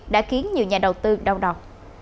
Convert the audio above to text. đã khiến nhiều nhà đầu tư đau đọc